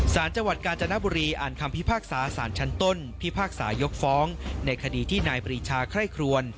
สารจังหวัดกาญจนบุรีอ่านคำพิพากษาสารชั้นต้นพิพากษายกฟ้องในคดีที่นายปรีชาไคร่ครวน